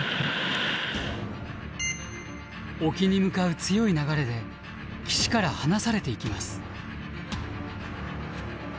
沖に向かう強い流れで岸から離されていきます。